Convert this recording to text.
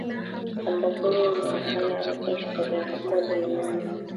Jambo hili lilimfanya aweke historia kubwa duniani